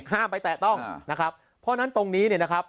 ไปแตะต้องนะครับเพราะฉะนั้นตรงนี้เนี่ยนะครับ